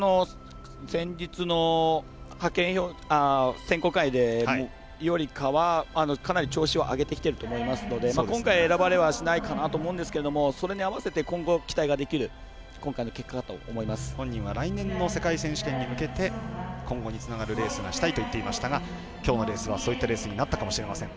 先日の選考会よりかはかなり調子を上げてきてると思いますので今回、選ばれはしないかなと思うんですがそれに合わせて今後期待ができる今回の結果だと本人は来年の世界選手権に向けて今後につながるレースがしたいと言っていましたがきょうのレースはそういったレースになったかもしれません。